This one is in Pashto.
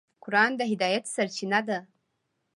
قرآن د هدایت سرچینه ده.